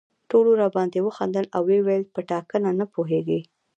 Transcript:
ټولو راباندې وخندل او ویې ویل په ټاکنه نه پوهېږي.